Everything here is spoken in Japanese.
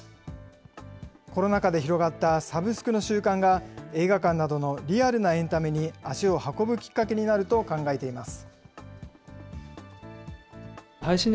コロナ禍で広がったサブスクの習慣が、映画館などのリアルなエンタメに足を運ぶきっかけになると考えています。